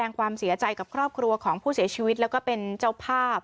ความเสียใจกับครอบครัวของผู้เสียชีวิตแล้วก็เป็นเจ้าภาพ